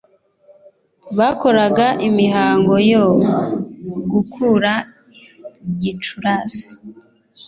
bakoraga imihango yo gukura gicurasi